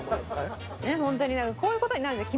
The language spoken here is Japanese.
ホントにこういう事になるんですよ